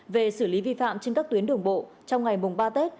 về xử lý vi phạm trên các tuyến đường bộ trong ngày mùng ba tết